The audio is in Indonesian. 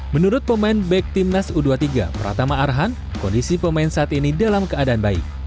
menurut pemain back timnas u dua puluh tiga pratama arhan kondisi pemain saat ini dalam keadaan baik